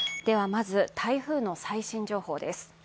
まず、台風の最新情報です。